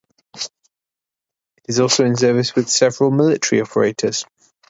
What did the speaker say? It is also in service with several military operators.